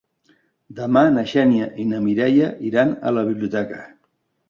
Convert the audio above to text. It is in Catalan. Demà na Xènia i na Mireia iran a la biblioteca.